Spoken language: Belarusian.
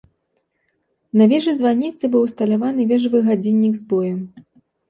На вежы-званіцы быў усталяваны вежавы гадзіннік з боем.